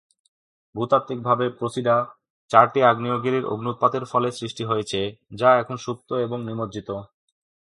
ভূতাত্ত্বিকভাবে, প্রোসিডা চারটি আগ্নেয়গিরির অগ্ন্যুৎপাতের ফলে সৃষ্টি হয়েছিল, যা এখন সুপ্ত এবং নিমজ্জিত।